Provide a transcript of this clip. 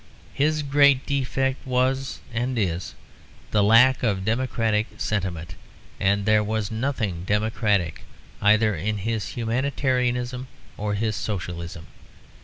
His great defect was and is the lack of democratic sentiment. And there was nothing democratic either in his humanitarianism or his Socialism.